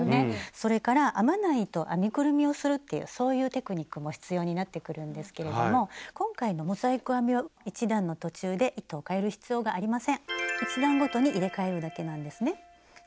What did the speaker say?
それから編まない糸を編みくるみをするっていうそういうテクニックも必要になってくるんですけれども今回のモザイク編みは１段の途中で糸をかえる必要がありません。